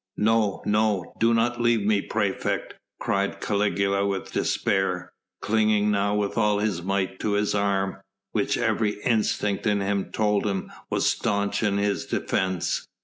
"No, no, do not leave me, praefect," cried Caligula with despair, clinging now with all his might to this arm, which every instinct in him told him was staunch in his defence.